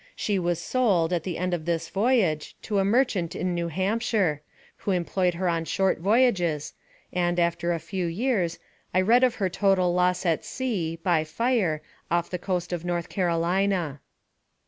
She was sold, at the end of this voyage, to a merchant in New Hampshire, who employed her on short voyages, and, after a few years, I read of her total loss at sea, by fire, off the coast of North Carolina.